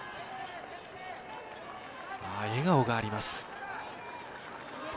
笑顔があります。